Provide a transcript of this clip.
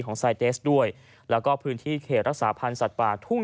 ไซเตสด้วยแล้วก็พื้นที่เขตรักษาพันธ์สัตว์ป่าทุ่ง